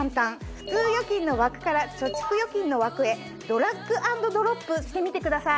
普通預金の枠から貯蓄預金の枠へドラッグ＆ドロップしてみてください。